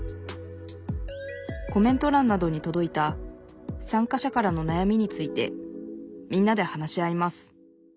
コメントらんなどにとどいた参加者からのなやみについてみんなで話し合います